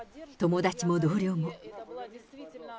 友達も同僚も。